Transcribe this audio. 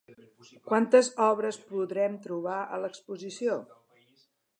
Quantes obres podrem trobar a l'exposició?